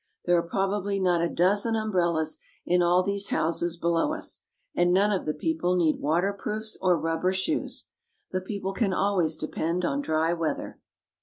There are prob ably not a dozen umbrellas in all these houses below us, and none of the people need waterproofs or rubber shoes. The people can always depend on dry weather.